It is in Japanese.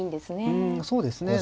うんそうですね。